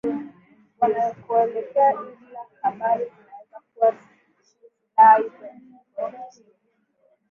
zinakoelekea ila habari zinasema kuwa chi silaha hizo ziko chini